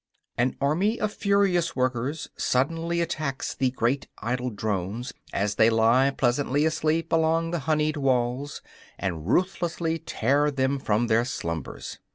An army of furious workers suddenly attacks the great idle drones, as they lie pleasantly asleep along the honeyed walls, and ruthlessly tear them from their slumbers.